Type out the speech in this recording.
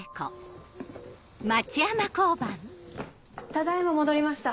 ただ今戻りました。